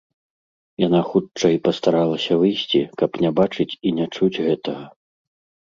Яна хутчэй пастаралася выйсці, каб не бачыць і не чуць гэтага.